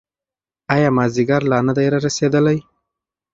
ایا مازیګر لا نه دی رارسېدلی؟